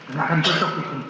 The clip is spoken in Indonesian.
nggak akan cocok itu